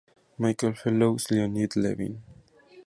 Michael Fellows, Leonid Levin.